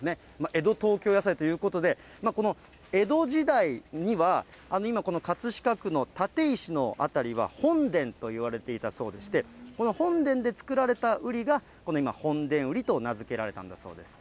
江戸東京野菜ということで、この江戸時代には、今、この葛飾区の立石の辺りは、本田といわれていたそうでして、この本田で作られたウリが、この今、本田ウリと名付けられたそうなんです。